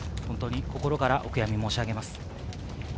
心からお悔やみを申し上げます。